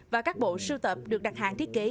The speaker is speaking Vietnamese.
và các bộ sưu tập được đặt hàng thiết kế